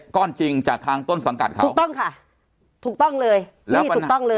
ก้อนจริงจากทางต้นสังกัดเขาถูกต้องค่ะถูกต้องเลยนี่ถูกต้องเลย